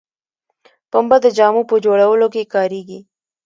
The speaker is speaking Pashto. پنبه د جامو په جوړولو کې کاریږي